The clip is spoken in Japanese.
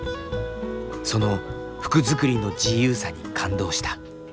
その服作りの自由さに感動した。